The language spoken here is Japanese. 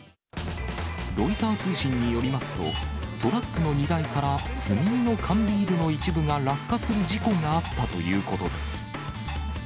ロイター通信によりますと、トラックの荷台から積み荷の缶ビールの一部が落下する事故があったということです。